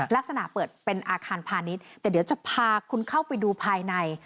ลักษณะเปิดเป็นอาคารพาณิชย์แต่เดี๋ยวจะพาคุณเข้าไปดูภายใน